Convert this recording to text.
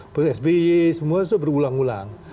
psb semua sudah berulang ulang